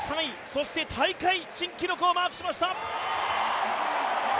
そして大会新記録をマークしました。